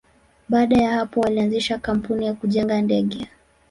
Baada ya hapo, walianzisha kampuni ya kujenga ndege.